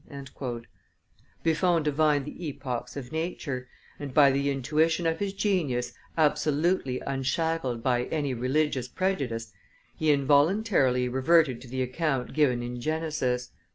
Buffon divined the epochs of nature, and by the intuition of his genius, absolutely unshackled by any religious prejudice, he involuntarily reverted to the account given in Genesis.